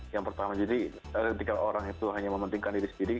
yang pertama jadi ketika orang itu hanya mementingkan diri sendiri